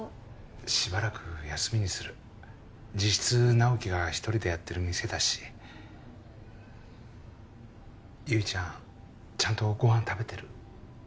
しばらく休みにする実質直木が１人でやってる店だし悠依ちゃんちゃんとご飯食べてる？